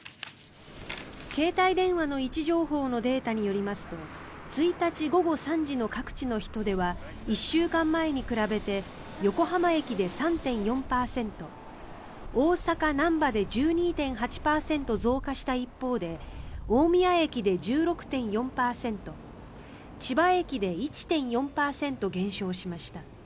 携帯電話の位置情報のデータによりますと１日午後３時の各地の人出は１週間前に比べて横浜駅で３．４％大阪・なんばで１２．８％増加した一方で大宮駅で１６．４％千葉駅で１．４％減少しました。